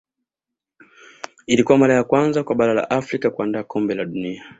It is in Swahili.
ilikuwa mara ya kwanza kwa bara la afrika kuandaa kombe la dunia